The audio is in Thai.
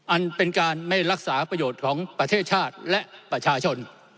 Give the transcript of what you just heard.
อันเป็นการไม่รักษาประโยชน์ของประเทศชาติและประชาชน